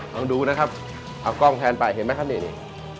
ลองดูนะครับเอากล้องแทนไปเห็นไหมครับนี่